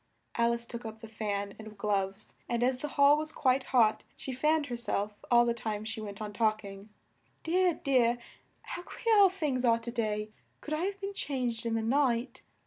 Al ice took up the fan and gloves and as the hall was quite hot, she fanned her self all the time she went on talk ing. "Dear, dear! How queer all things are to day! Could I have been changed in the night?